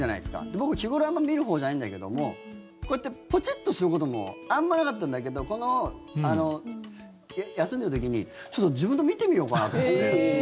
僕、日頃あまり見るほうじゃないんだけどもこうやってポチッとすることもあんまなかったんだけどこの休んでる時にちょっと自分の見てみようかなと思って。